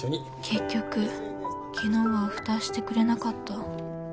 結局昨日はアフターしてくれなかった。